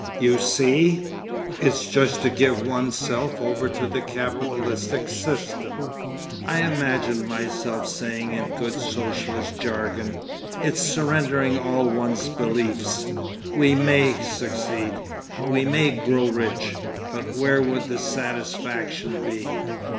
"You see, it's just to give one's self over to the Capitalistic System," I imagined myself saying in good Socialist jargon; "it's surrendering all one's beliefs. We may succeed, we may grow rich, but where would the satisfaction be?"